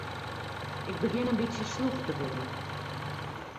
Ik begjin in bytsje slûch te wurden.